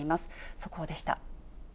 速報でした。